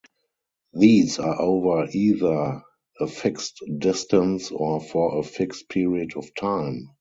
These are over either a fixed distance or for a fixed period of time.